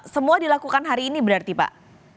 semua dilakukan hari ini berarti pak